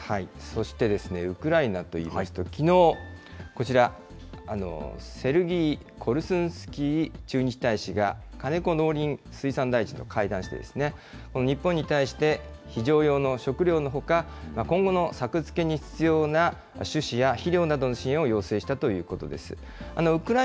そして、ウクライナといいますと、きのう、こちら、セルギー・コルスンスキー駐日大使が、金子農林水産大臣と会談して、日本に対して、非常用の食料のほか、今後の作付けに必要な種子や肥料などの支援を要請したということです。